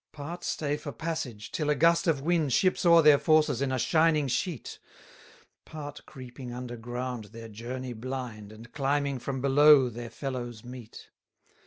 247 Part stay for passage, till a gust of wind Ships o'er their forces in a shining sheet: Part creeping under ground their journey blind, And climbing from below their fellows meet.